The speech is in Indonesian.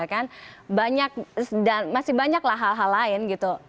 dan masih banyaklah hal hal lain